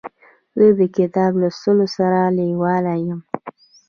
زه د کتاب لوستلو سره لیواله یم.